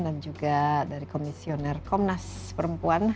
dan juga dari komisioner komnas perempuan